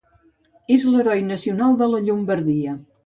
És l'heroi nacional de la Llombardia.